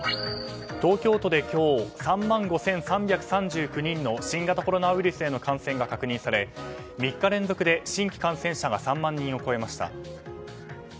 東京都で今日３万５３３９人の新型コロナウイルスへの感染が確認され３日連続で新規感染者が３万人を超えました。